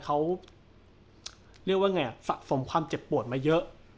เขาเรียกว่าไงสะสมความเจ็บปวดมาเยอะ